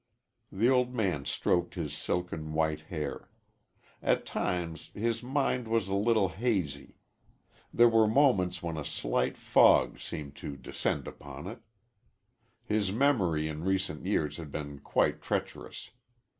The old man stroked his silken white hair. At times his mind was a little hazy. There were moments when a slight fog seemed to descend upon it. His memory in recent years had been quite treacherous.